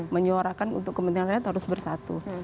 menyuarakan untuk kepentingan rakyat harus bersatu